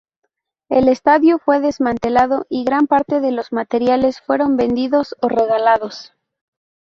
El estadio fue desmantelado y gran parte de los materiales fueron vendidos o regalados.